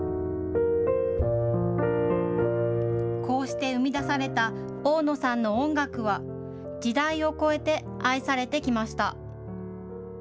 こうして生み出された大野さんの音楽は時代を超えて愛されてきました。